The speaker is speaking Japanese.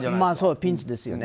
ピンチですよね。